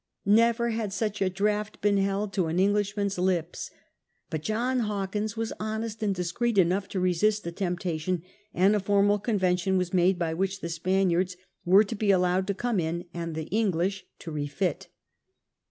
Never had such a draught been held to an Englishman's lips. But John Hawkins was honest and discreet enough to resist the temptation, and a formal convention was made by which the Spaniards were to be allowed to come in and the English to refit.